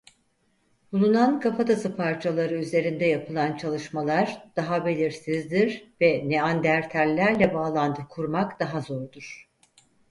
Bulunan kafatası parçaları üzerinde yapılan çalışmalar daha belirsizdir ve Neandertallerle bağlantı kurmak daha zordur.